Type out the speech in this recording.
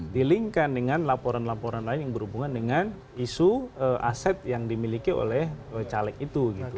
di link kan dengan laporan laporan lain yang berhubungan dengan isu aset yang dimiliki oleh caleg itu